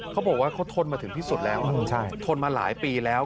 เขาบอกว่าเขาทนมาถึงที่สุดแล้วทนมาหลายปีแล้ว